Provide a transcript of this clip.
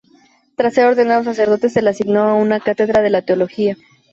Tras ser ordenado sacerdote, se le asignó a una cátedra de teología.